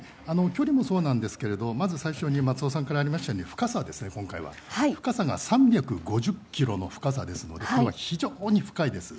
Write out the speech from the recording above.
距離もそうなんですけれどまず最初に松尾さんからありましたように今回は深さが３５０ｋｍの深さですので非常に深いです。